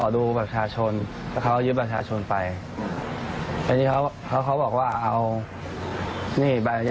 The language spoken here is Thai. โทรเขาไม่รับ